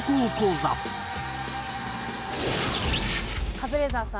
カズレーザーさん